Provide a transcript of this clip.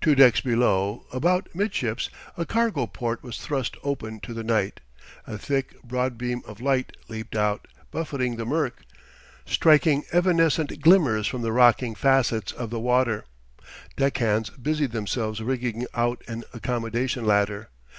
Two decks below, about amidships, a cargo port was thrust open to the night. A thick, broad beam of light leaped out, buffeting the murk, striking evanescent glimmers from the rocking facets of the waters. Deckhands busied themselves rigging out an accommodation ladder.